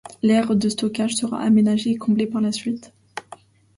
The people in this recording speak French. L'aire de stockage sera aménagé et comblé par la suite.